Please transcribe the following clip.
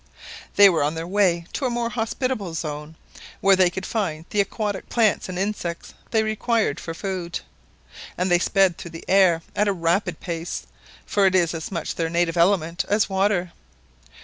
They were on their way to a more hospitable zone, where they could find the aquatic plants and insects they required for food, and they sped through the air at a rapid pace, for it is as much their native element as water.